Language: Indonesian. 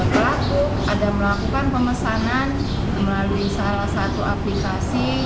pelaku ada melakukan pemesanan melalui salah satu aplikasi